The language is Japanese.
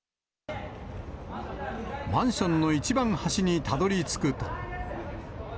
マンションの一番端にたどりつくと。